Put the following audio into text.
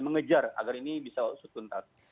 mengejar agar ini bisa setuntas